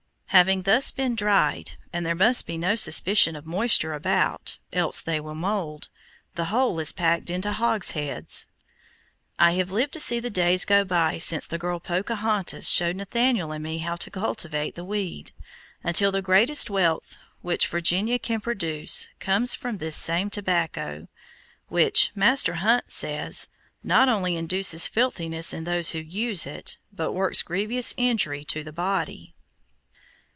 Having thus been dried, and there must be no suspicion of moisture about, else they will mold, the whole is packed into hogsheads. I have lived to see the days go by since the girl Pocahontas showed Nathaniel and me how to cultivate the weed, until the greatest wealth which Virginia can produce comes from this same tobacco, which, Master Hunt says, not only induces filthiness in those who use it, but works grievous injury to the body.